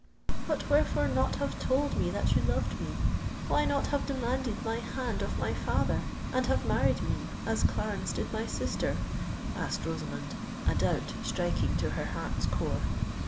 "But wherefore not have told me that you loved me—why not have demanded my hand of my father, and have married me as Clarence did my sister?" asked Rosamond, a doubt striking to her heart's core.